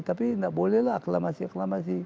tapi tidak bolehlah aklamasi aklamasi